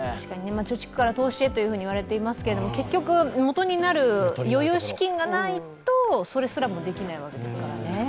貯蓄から投資へと言われていますけど、結局、元になる余裕資金がないとそれすらもできないわけですからね。